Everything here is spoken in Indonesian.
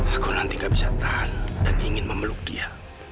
aku nanti gak bisa tahan dan ingin memeluk dia